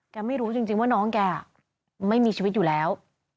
ไม่รู้จริงว่าน้องแกไม่มีชีวิตอยู่แล้ว